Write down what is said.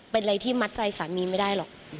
เป็นอะไรที่มัดใจสามีไม่ได้หรอก